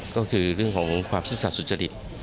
ก็คือเรื่องของความซื่อสัตว์สุจริต